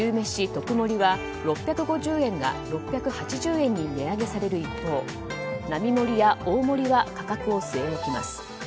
特盛は６５０円が６８０円に値上げされる一方並盛や大盛は価格を据え置きます。